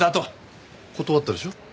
断ったでしょう？